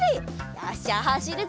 よしじゃあはしるぞ！